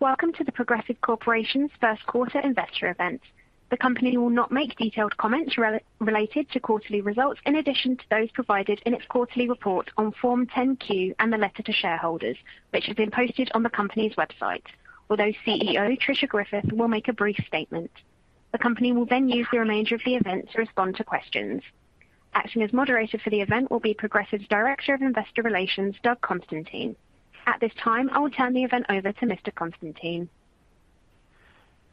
Welcome to the Progressive Corporation's first quarter investor event. The company will not make detailed comments related to quarterly results in addition to those provided in its quarterly report on Form 10-Q and the letter to shareholders, which have been posted on the company's website. Although CEO Tricia Griffith will make a brief statement. The company will then use the remainder of the event to respond to questions. Acting as moderator for the event will be Progressive's Director of Investor Relations, Doug Constantine. At this time, I will turn the event over to Mr. Constantine.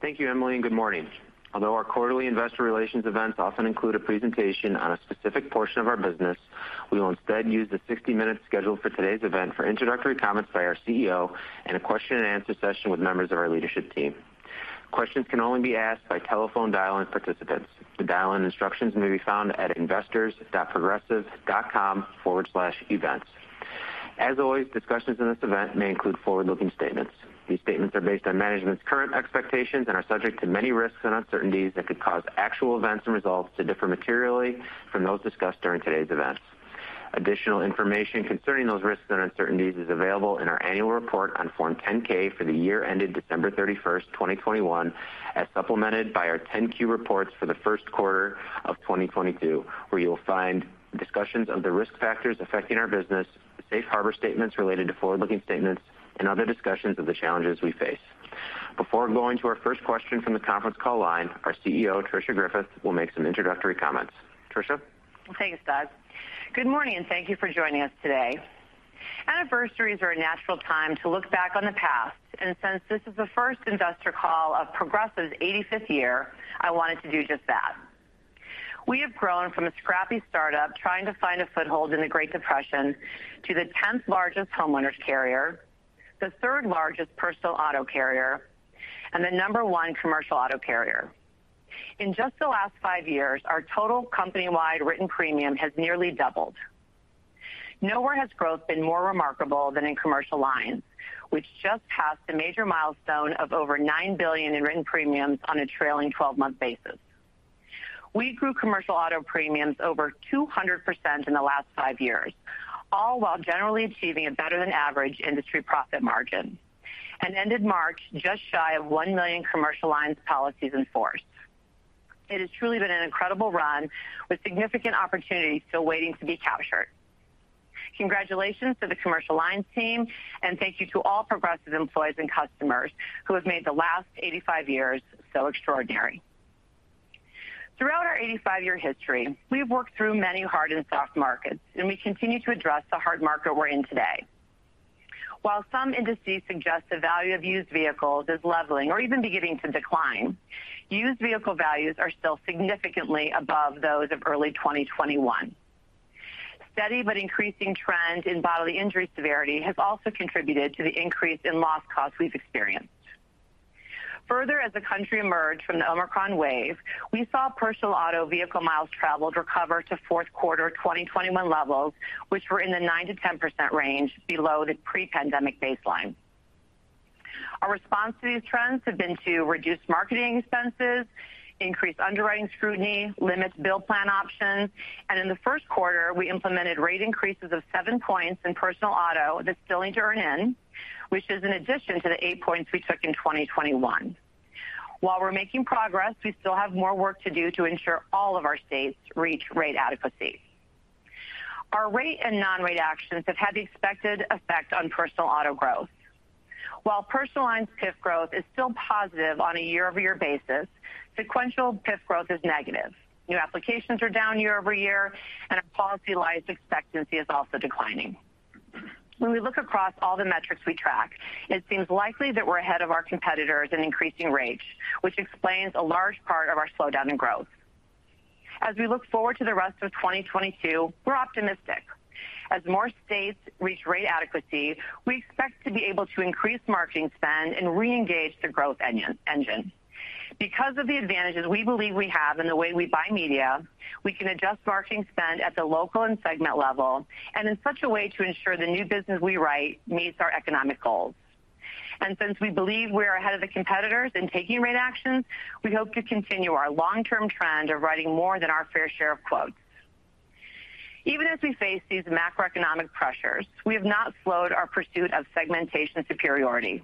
Thank you, Emily, and good morning. Although our quarterly investor relations events often include a presentation on a specific portion of our business, we will instead use the 60 minutes scheduled for today's event for introductory comments by our CEO and a question and answer session with members of our leadership team. Questions can only be asked by telephone dial-in participants. The dial-in instructions may be found at investors.progressive.com/events. As always, discussions in this event may include forward-looking statements. These statements are based on management's current expectations and are subject to many risks and uncertainties that could cause actual events and results to differ materially from those discussed during today's event. Additional information concerning those risks and uncertainties is available in our annual report on Form 10-K for the year ended December 31, 2021, as supplemented by our 10-Q reports for the first quarter of 2022, where you will find discussions of the risk factors affecting our business, safe harbor statements related to forward-looking statements, and other discussions of the challenges we face. Before going to our first question from the conference call line, our CEO, Tricia Griffith, will make some introductory comments. Tricia? Thanks, Doug. Good morning, and thank you for joining us today. Anniversaries are a natural time to look back on the past, and since this is the first investor call of Progressive's 85th year, I wanted to do just that. We have grown from a scrappy startup trying to find a foothold in the Great Depression to the 10th-largest homeowners carrier, the third-largest personal auto carrier, and the No. one commercial auto carrier. In just the last five years, our total company-wide written premium has nearly doubled. Nowhere has growth been more remarkable than in Commercial Lines, which just passed a major milestone of over $9 billion in written premiums on a trailing twelve-month basis. We grew commercial auto premiums over 200% in the last 5 years, all while generally achieving a better than average industry profit margin, and ended March just shy of 1 million Commercial Lines policies in force. It has truly been an incredible run with significant opportunities still waiting to be captured. Congratulations to the Commercial Lines team, and thank you to all Progressive employees and customers who have made the last 85 years so extraordinary. Throughout our 85-year history, we have worked through many hard and soft markets, and we continue to address the hard market we're in today. While some indices suggest the value of used vehicles is leveling or even beginning to decline, used vehicle values are still significantly above those of early 2021. Steady but increasing trend in bodily injury severity has also contributed to the increase in loss costs we've experienced. Further, as the country emerged from the Omicron wave, we saw personal auto vehicle miles traveled recover to fourth quarter 2021 levels, which were in the 9%-10% range below the pre-pandemic baseline. Our response to these trends have been to reduce marketing expenses, increase underwriting scrutiny, limit billing plan options, and in the first quarter, we implemented rate increases of seven points in personal auto that's still needs to earn in, which is in addition to the eight points we took in 2021. While we're making progress, we still have more work to do to ensure all of our states reach rate adequacy. Our rate and non-rate actions have had the expected effect on personal auto growth. While Personal Lines PIF growth is still positive on a year-over-year basis, sequential PIF growth is negative. New applications are down year-over-year, and our policy life expectancy is also declining. When we look across all the metrics we track, it seems likely that we're ahead of our competitors in increasing rates, which explains a large part of our slowdown in growth. As we look forward to the rest of 2022, we're optimistic. As more states reach rate adequacy, we expect to be able to increase marketing spend and reengage the growth engine. Because of the advantages we believe we have in the way we buy media, we can adjust marketing spend at the local and segment level and in such a way to ensure the new business we write meets our economic goals. Since we believe we're ahead of the competitors in taking rate actions, we hope to continue our long-term trend of writing more than our fair share of quotes. Even as we face these macroeconomic pressures, we have not slowed our pursuit of segmentation superiority.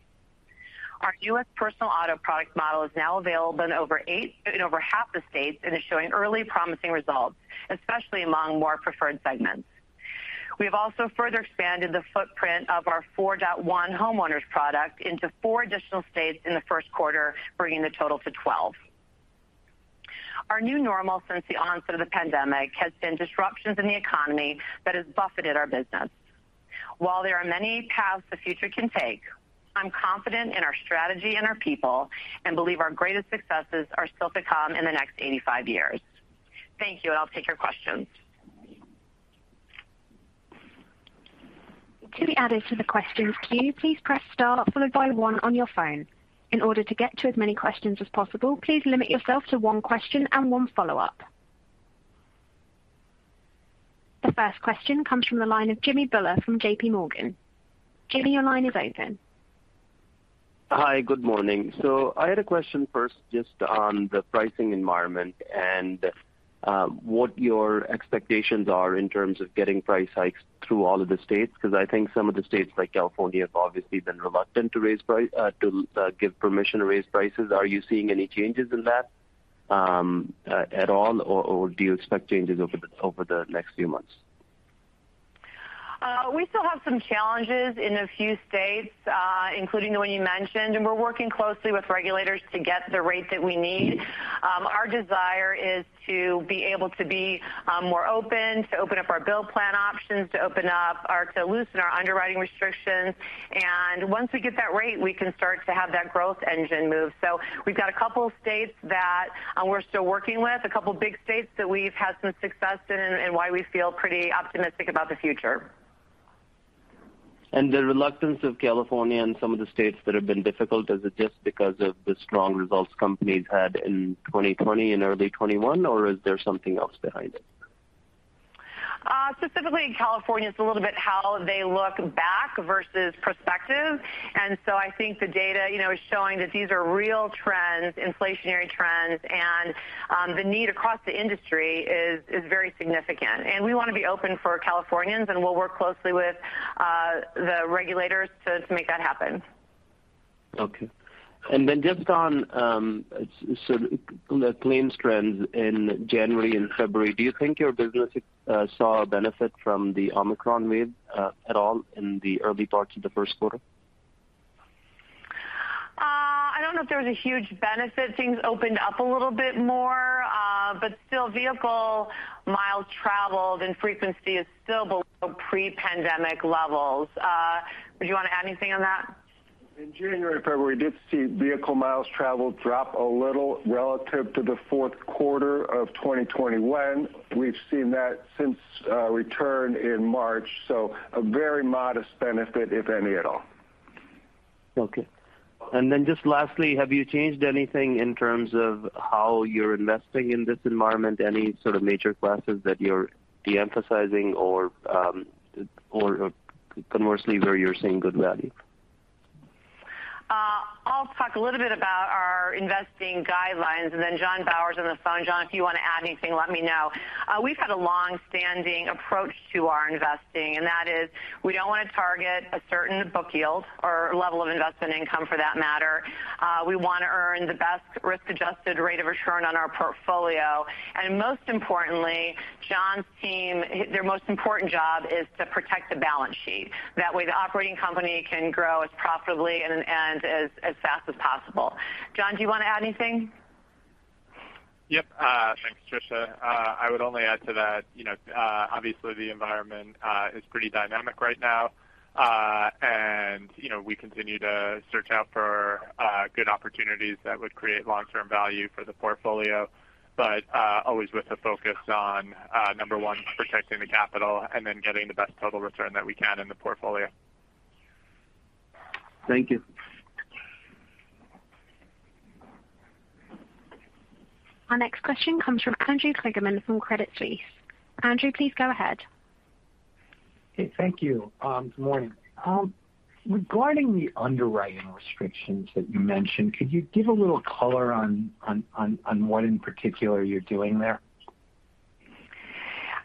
Our U.S. personal auto product model is now available in over half the states and is showing early promising results, especially among more preferred segments. We have also further expanded the footprint of our 4.1 homeowners product into four, additional states in the first quarter, bringing the total to 12. Our new normal since the onset of the pandemic has been disruptions in the economy that has buffeted our business. While there are many paths the future can take, I'm confident in our strategy and our people and believe our greatest successes are still to come in the next 85 years. Thank you, and I'll take your questions. To be added to the questions queue, please press star followed by one on your phone. In order to get to as many questions as possible, please limit yourself to one question and one follow-up. The first question comes from the line of Jimmy Bhullar from JPMorgan. Jimmy Bhullar, your line is open. Hi, good morning. I had a question first just on the pricing environment and What your expectations are in terms of getting price hikes through all of the states? 'Cause I think some of the states like California have obviously been reluctant to give permission to raise prices. Are you seeing any changes in that at all or do you expect changes over the next few months? We still have some challenges in a few states, including the one you mentioned, and we're working closely with regulators to get the rate that we need. Our desire is to be able to be more open, to open up our bill plan options, to loosen our underwriting restrictions. Once we get that rate, we can start to have that growth engine move. We've got a couple of states that we're still working with, a couple of big states that we've had some success in and why we feel pretty optimistic about the future. The reluctance of California and some of the states that have been difficult, is it just because of the strong results companies had in 2020 and early 2021 or is there something else behind it? Specifically in California, it's a little bit how they look back versus prospective. I think the data, you know, is showing that these are real trends, inflationary trends, and the need across the industry is very significant. We want to be open for Californians, and we'll work closely with the regulators to make that happen. Just on claims trends in January and February, do you think your business saw a benefit from the Omicron wave at all in the early parts of the first quarter? I don't know if there was a huge benefit. Things opened up a little bit more, but still vehicle miles traveled and frequency is still below pre-pandemic levels. Would you want to add anything on that? In January and February, we did see vehicle miles traveled drop a little relative to the fourth quarter of 2021. We've seen that since return in March, so a very modest benefit, if any, at all. Okay. Just lastly, have you changed anything in terms of how you're investing in this environment? Any sort of major classes that you're de-emphasizing or conversely, where you're seeing good value? I'll talk a little bit about our investing guidelines, and then Jonathan Bauer on the phone. John, if you want to add anything, let me know. We've had a long-standing approach to our investing, and that is we don't want to target a certain book yield or level of investment income for that matter. We want to earn the best risk-adjusted rate of return on our portfolio. Most importantly, John's team, their most important job is to protect the balance sheet. That way, the operating company can grow as profitably and as fast as possible. John, do you want to add anything? Yep. Thanks, Tricia. I would only add to that, you know, obviously, the environment is pretty dynamic right now. You know, we continue to search out for good opportunities that would create long-term value for the portfolio. Always with a focus on number one, protecting the capital and then getting the best total return that we can in the portfolio. Thank you. Our next question comes from Andrew Kligerman from Credit Suisse. Andrew, please go ahead. Hey, thank you. Good morning. Regarding the underwriting restrictions that you mentioned, could you give a little color on what in particular you're doing there?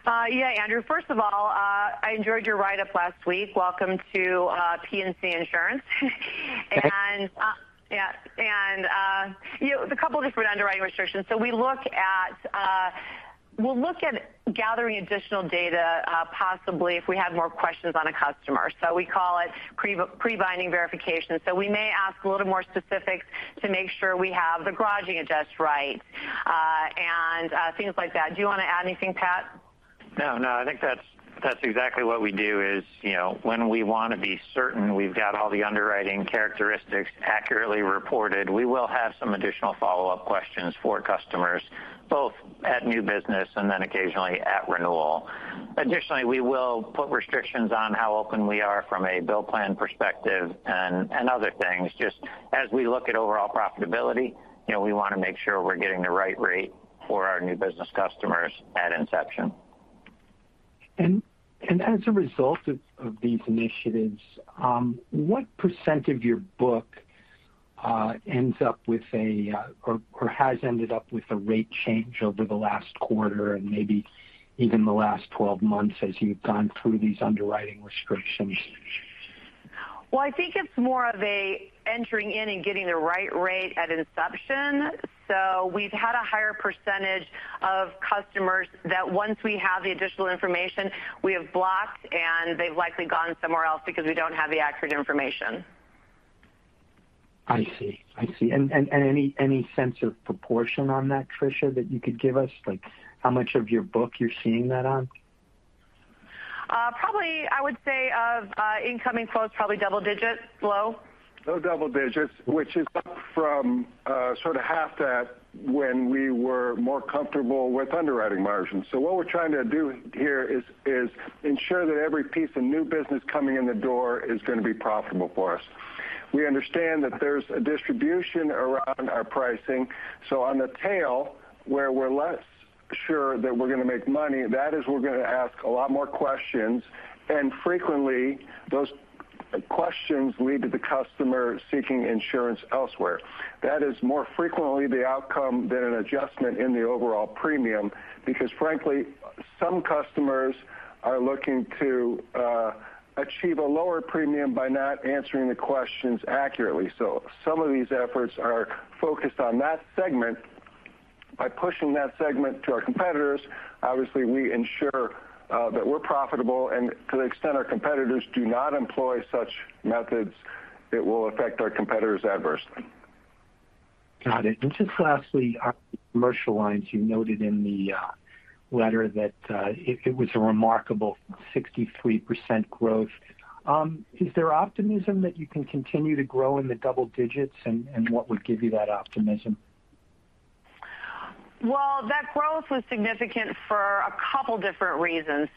Yeah, Andrew. First of all, I enjoyed your write-up last week. Welcome to P&C Insurance. Thanks. Yeah. You know, there's a couple of different underwriting restrictions. We look at gathering additional data, possibly if we have more questions on a customer. We call it pre-binding verification. We may ask a little more specifics to make sure we have the garaging address right, and things like that. Do you want to add anything, Pat? No, no, I think that's exactly what we do is, you know, when we want to be certain we've got all the underwriting characteristics accurately reported, we will have some additional follow-up questions for customers, both at new business and then occasionally at renewal. Additionally, we will put restrictions on how open we are from a bill plan perspective and other things. Just as we look at overall profitability, you know, we want to make sure we're getting the right rate for our new business customers at inception. As a result of these initiatives, what percent of your book has ended up with a rate change over the last quarter and maybe even the last 12 months as you've gone through these underwriting restrictions? Well, I think it's more of an entering in and getting the right rate at inception. We've had a higher percentage of customers that once we have the additional information, we have blocked, and they've likely gone somewhere else because we don't have the accurate information. I see. Any sense of proportion on that, Tricia, that you could give us? Like, how much of your book you're seeing that on? Probably I would say of incoming quotes, probably double digits, low. Low double digits, which is up from sort of half that when we were more comfortable with underwriting margins. What we're trying to do here is ensure that every piece of new business coming in the door is gonna be profitable for us. We understand that there's a distribution around our pricing, so on the tail where we're less sure that we're gonna make money, that is we're gonna ask a lot more questions. Frequently, those questions lead to the customer seeking insurance elsewhere. That is more frequently the outcome than an adjustment in the overall premium, because frankly, some customers are looking to achieve a lower premium by not answering the questions accurately. Some of these efforts are focused on that segment. By pushing that segment to our competitors, obviously, we ensure that we're profitable, and to the extent our competitors do not employ such methods, it will affect our competitors adversely. Got it. Just lastly, our Commercial Lines, you noted in the letter that it was a remarkable 63% growth. Is there optimism that you can continue to grow in the double digits, and what would give you that optimism? Well, that growth was significant for a couple different reasons.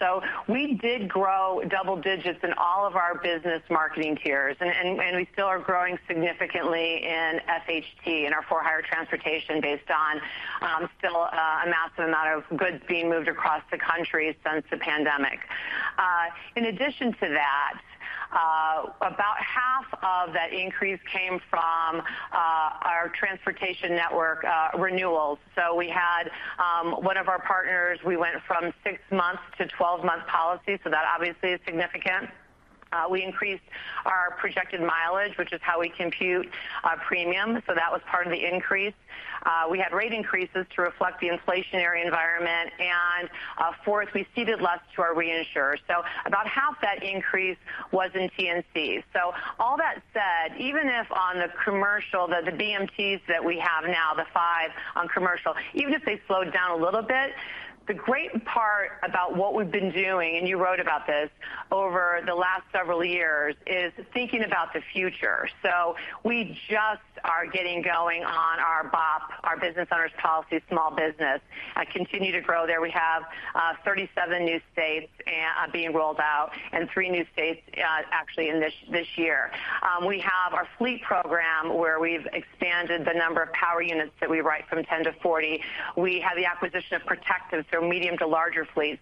We did grow double digits in all of our Business Market Targets, and we still are growing significantly in FHT, in our for-hire transportation based on still a massive amount of goods being moved across the country since the pandemic. In addition to that, about half of that increase came from our transportation network renewals. We had one of our partners, we went from six,-month to 12-month policy, so that obviously is significant. We increased our projected mileage, which is how we compute premium, so that was part of the increase. We had rate increases to reflect the inflationary environment, and fourth, we ceded less to our reinsurers. About half that increase was in T&C. All that said, even if on the commercial, the BMTs that we have now, the five on commercial, even if they slowed down a little bit, the great part about what we've been doing, and you wrote about this, over the last several years, is thinking about the future. We are just getting going on our BOP, our business owner's policy, small business, continue to grow there. We have 37 new states being rolled out and three new states actually in this year. We have our fleet program, where we've expanded the number of power units that we write from 10 to 40. We have the acquisition of Protective, so medium to larger fleets.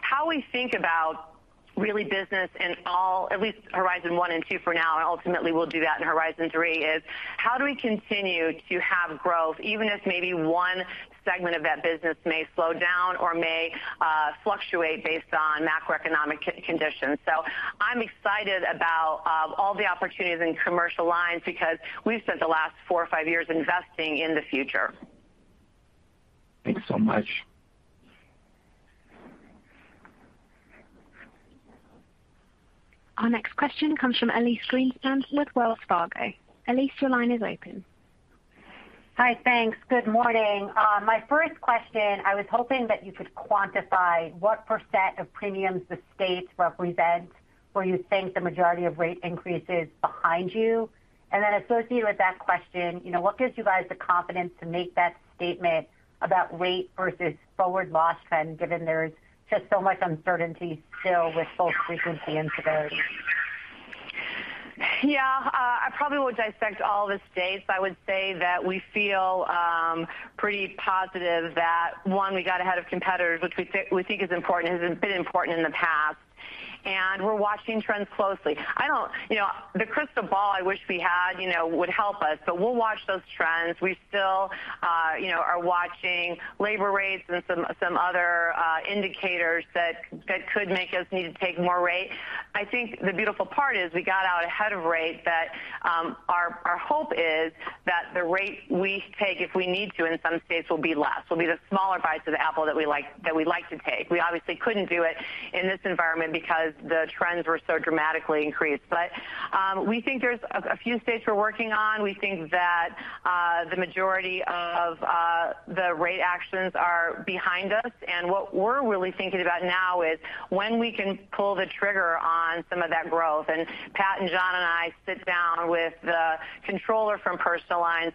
How we think about really business in all, at least horizon one and two for now, and ultimately we'll do that in horizon three, is how do we continue to have growth, even if maybe one segment of that business may slow down or may fluctuate based on macroeconomic conditions? I'm excited about all the opportunities in Commercial Lines because we've spent the last four or five years investing in the future. Thanks so much. Our next question comes from Elyse Greenspan with Wells Fargo. Elyse, your line is open. Hi. Thanks. Good morning. My first question, I was hoping that you could quantify what % of premiums the states represent where you think the majority of rate increase is behind you. Associated with that question, you know, what gives you guys the confidence to make that statement about rate versus forward loss trend, given there's just so much uncertainty still with both frequency and severity? Yeah. I probably would dissect all the states. I would say that we feel pretty positive that, one, we got ahead of competitors, which we think is important, has been important in the past, and we're watching trends closely. I don't. You know, the crystal ball I wish we had, you know, would help us, but we'll watch those trends. We still, you know, are watching labor rates and some other indicators that could make us need to take more rate. I think the beautiful part is we got out ahead of rate that our hope is that the rate we take if we need to in some states will be less, the smaller bites of the apple that we'd like to take. We obviously couldn't do it in this environment because the trends were so dramatically increased. We think there's a few states we're working on. We think that the majority of the rate actions are behind us, and what we're really thinking about now is when we can pull the trigger on some of that growth. Pat and John and I sit down with the controller from Personal Lines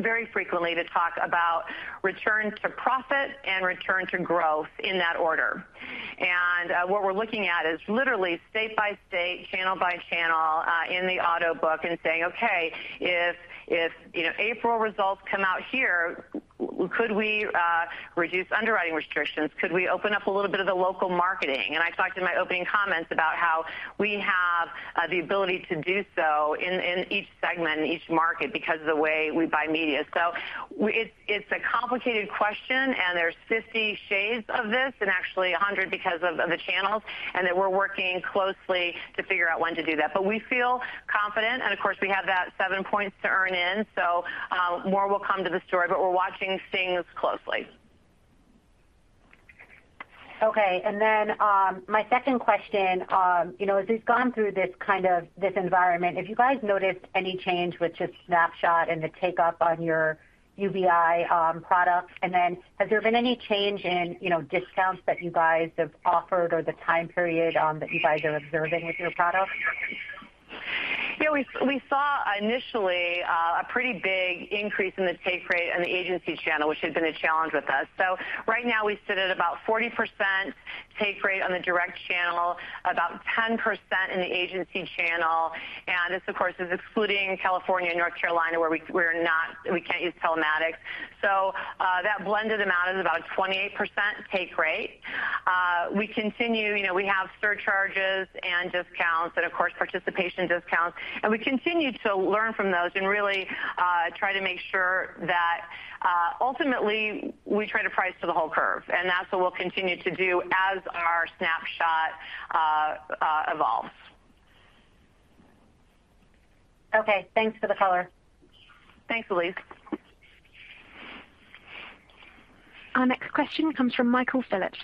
very frequently to talk about return to profit and return to growth in that order. What we're looking at is literally state by state, channel by channel, in the auto book and saying, "Okay, if you know, April results come out here, could we reduce underwriting restrictions? Could we open up a little bit of the local marketing?" I talked in my opening comments about how we have the ability to do so in each segment and each market because of the way we buy media. It's a complicated question, and there's 50 shades of this, and actually 100 because of the channels, and we're working closely to figure out when to do that. We feel confident, and of course, we have that seven points to earn in, so more will come to the story, but we're watching things closely. Okay. My second question, you know, as we've gone through this environment, have you guys noticed any change with just Snapshot and the take-up on your UBI products? Has there been any change in, you know, discounts that you guys have offered or the time period that you guys are observing with your products? Yeah. We saw initially a pretty big increase in the take rate on the agency channel, which had been a challenge with us. Right now we sit at about 40% take rate on the direct channel, about 10% in the agency channel, and this of course is excluding California and North Carolina, where we can't use telematics. That blended amount is about 28% take rate. We continue, you know, we have surcharges and discounts and of course participation discounts, and we continue to learn from those and really try to make sure that ultimately we try to price to the whole curve. That's what we'll continue to do as our Snapshot evolves. Okay. Thanks for the color. Thanks, Elyse. Our next question comes from Michael Phillips.